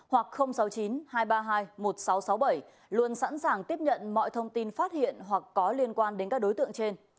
hoặc sáu mươi chín hai trăm ba mươi hai một nghìn sáu trăm sáu mươi bảy luôn sẵn sàng tiếp nhận mọi thông tin phát hiện hoặc có liên quan đến các đối tượng trên